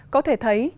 có thể thấy